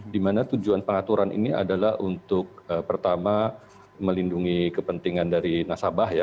dimana tujuan pengaturan ini adalah untuk pertama melindungi kepentingan dari nasabah ya